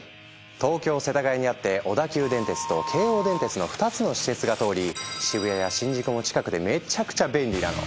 東京世田谷にあって小田急電鉄と京王電鉄の２つの私鉄が通り渋谷や新宿も近くてめちゃくちゃ便利なの。